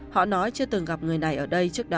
họ nói chưa từng gặp người này ở đây trước đó